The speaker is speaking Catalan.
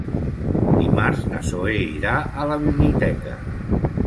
Dimarts na Zoè irà a la biblioteca.